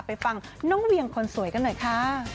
ไปฟังน้องเวียงคนสวยกันหน่อยค่ะ